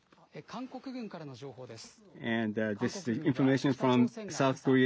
韓国軍からの情報です。